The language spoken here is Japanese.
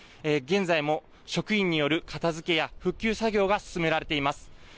現在も職員による片づけや復旧作業が進められています。